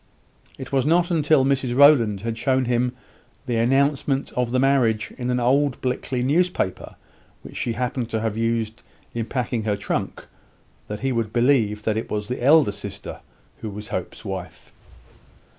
It was not till Mrs Rowland had shown him the announcement of the marriage in an old Blickley newspaper, which she happened to have used in packing her trunk, that he would believe that it was the elder sister who was Hope's wife.